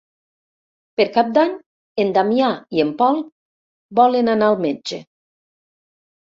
Per Cap d'Any en Damià i en Pol volen anar al metge.